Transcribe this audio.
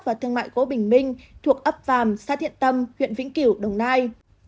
và thương mại của bình minh thuộc ấp vàm sát thiện tâm huyện vĩnh kiểu đồng nai